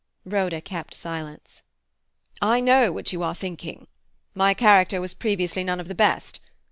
Rhoda kept silence. "I know what you are thinking. My character was previously none of the best.